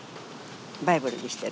バイブルにしてる。